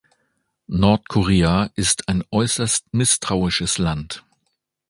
Nordkorea ist ein äußerst misstrauisches Land.